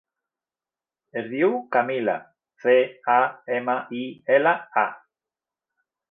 Es diu Camila: ce, a, ema, i, ela, a.